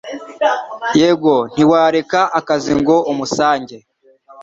Yego ntiwareka akazi ngo umusange